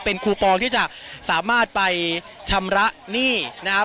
เป็นคูปองที่จะสามารถไปชำระหนี้นะครับ